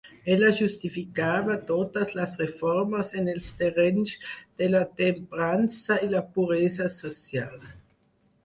Ella justificava totes les reformes en els terrenys de la temprança i la puresa social.